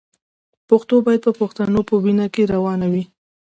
پښتو باید د پښتنو په وینه کې روانه وي.